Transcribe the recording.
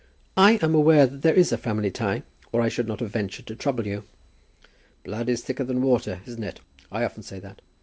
"I am aware that there is a family tie, or I should not have ventured to trouble you." "Blood is thicker than water; isn't it? I often say that.